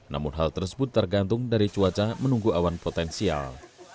namun hal tersebut tergantung dari cuaca menunggu awan potensial